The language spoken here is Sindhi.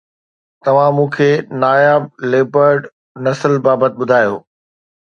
توهان مون کي ناياب ليپرڊ نسل بابت ٻڌايو